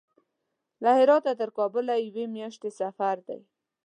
له هراته تر کابل یوې میاشتې سفر دی.